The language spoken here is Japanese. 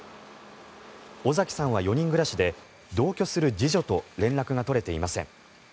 尾碕さんは４人暮らしで同居する次女と連絡が取れていません。